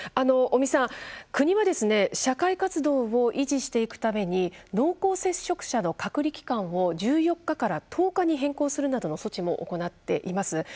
尾身さん、国は社会活動を維持していくために濃厚接触者の隔離期間を１４日から１０日に変更するなどの措置も行っています。